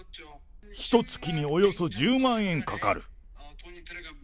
ひとつきにおよそ１０万円かかる。